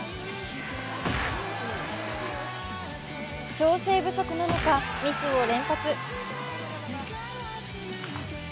調整不足なのか、ミスを連発。